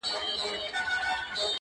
مړ مي مړوند دی!!